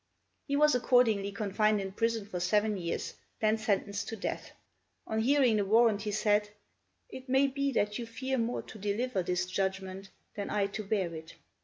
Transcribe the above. He was accordingly confined in prison for seven years, then sentenced to death. On hearing the warrant he said, "It may be that you fear more to deliver this judgment than I to bear it."